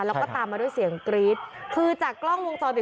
แล้วมาด้วยเสียงกรี๊ดคือจากกล้องมุมตัวดิ